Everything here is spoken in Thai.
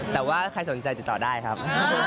แต่ว่าใครสนใจติดต่อได้ครับ